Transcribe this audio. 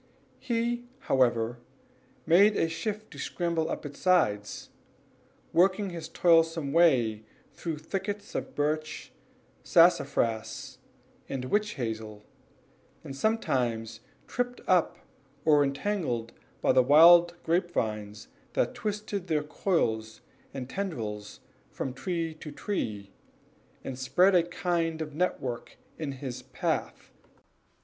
He, however, made shift to scramble up its sides, working his toilsome way through thickets of birch, sassafras, and witch hazel, and sometimes tripped up or entangled by the wild grapevines that twisted their coils or tendrils from tree to tree, and spread a kind of network in his path.